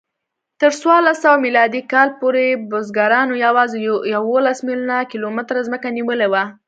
تر څوارلسسوه میلادي کال پورې بزګرانو یواځې یوولس میلیونه کیلومتره ځمکه نیولې وه.